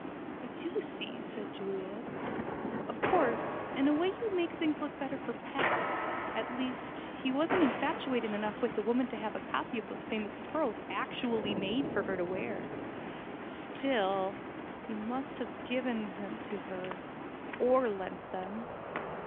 "I do see," said Juliet. "Of course, in a way you make things look better for Pat. At least, he wasn't infatuated enough with that woman to have a copy of those famous pearls actually made for her to wear. Still, he must have given them to her or lent them."